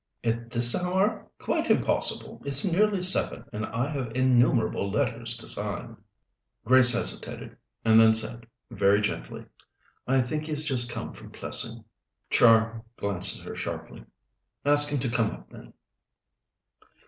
"At this hour? Quite impossible! It's nearly seven, and I have innumerable letters to sign." Grace hesitated, and then said, very gently: "I think he's just come from Plessing." Char glanced at her sharply. "Ask him to come up, then."